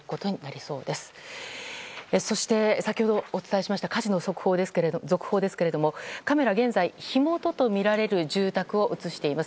そして先ほどお伝えした火事の続報ですがカメラは現在火元とみられる住宅を映しています。